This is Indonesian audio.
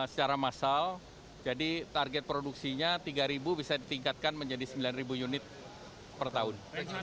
secara massal jadi target produksinya rp tiga bisa ditingkatkan menjadi rp sembilan per tahun